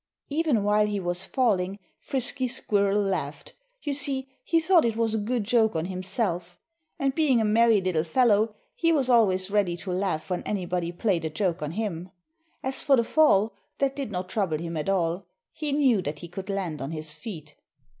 Even while he was falling, Frisky Squirrel laughed. You see, he thought it was a good joke on himself. And being a merry little fellow, he was always ready to laugh when anybody played a joke on him. As for the fall, that did not trouble him at all. He knew that he could land on his feet.